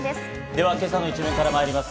では今朝の一面からまいります。